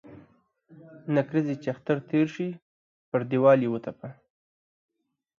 نکريزي چې د اختر تر ورځي تيري سي ، پر ديوال يې و ترپه.